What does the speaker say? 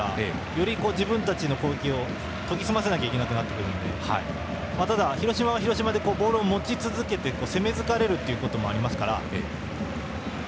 より自分たちの攻撃を研ぎ澄まさなければいけなくなってくるのでただ、広島は広島でボールを持ち続けて攻め疲れるということもありますから。